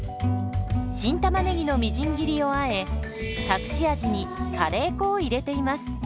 新たまねぎのみじん切りをあえ隠し味にカレー粉を入れています。